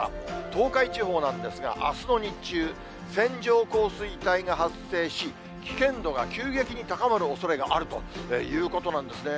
東海地方なんですが、あすの日中、線状降水帯が発生し、危険度が急激に高まるおそれがあるということなんですね。